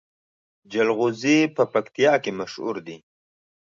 جلغوزي په پکتیا کې مشهور دي